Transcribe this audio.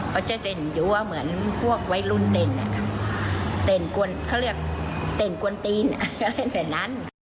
เขาจะเด่นอยู่ว่าเหมือนพวกวัยรุ่นเต้นกวนเขาเรียกเต้นกวนตีนอะไรแบบนั้น